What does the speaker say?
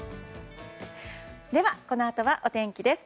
では、このあとはお天気です。